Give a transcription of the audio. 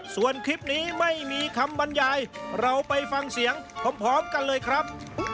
ส่วนคลิปนี้ไม่มีคำบรรยายเราไปฟังเสียงพร้อมกันเลยครับ